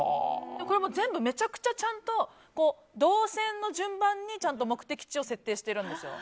全部、めちゃくちゃちゃんと動線の順番にちゃんと目的地を設定しているんですよ。